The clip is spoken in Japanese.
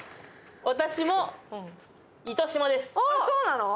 私も糸島です。